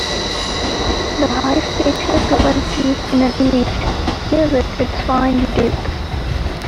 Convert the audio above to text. The high spatial frequencies in an image give it its fine details.